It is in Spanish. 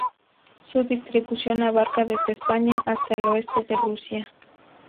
Su distribución abarca desde España hasta el oeste de Rusia.